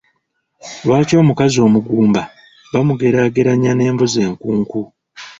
Lwaki omukazi omugumba bamugeraageranya n’embuzi enkunku?